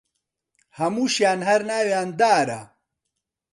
هەمووشیان هەر ناویان دارە